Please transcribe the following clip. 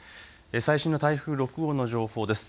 最新の台風６号の情報です。